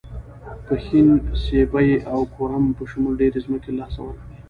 پښین، سیبۍ او کورم په شمول ډېرې ځمکې له لاسه ورکړې.